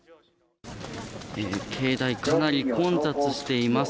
境内はかなり混雑しています。